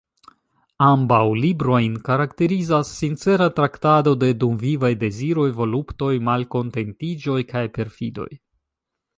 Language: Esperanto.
Ambaŭ librojn karakterizas "sincera traktado de dumvivaj deziroj, voluptoj, malkontentiĝoj kaj perfidoj.